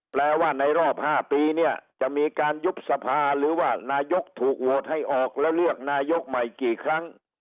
แปลว่าในรอบ๕ปีเนี่ยจะมีการยุบสภาหรือว่านายกถูกโหวตให้ออกแล้วเลือกนายกใหม่กี่ครั้ง